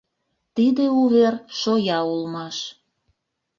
Тиде увер шоя улмаш.